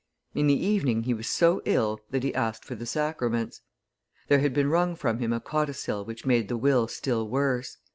In the evening, he was so ill that he asked for the sacraments. There had been wrung from him a codicil which made the will still worse.